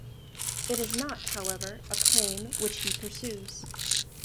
It is not, however, a claim which he pursues.